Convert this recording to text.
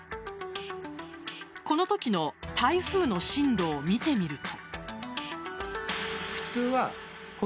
このときの台風の進路を見てみると。